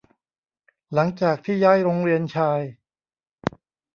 หลังจากที่ย้ายโรงเรียนชาย